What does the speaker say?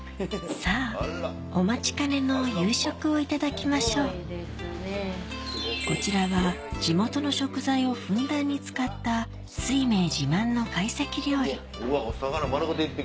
さぁお待ちかねの夕食をいただきましょうこちらは地元の食材をふんだんに使ったお魚丸ごと一匹！